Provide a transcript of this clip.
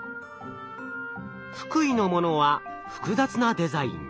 福井のものは複雑なデザイン。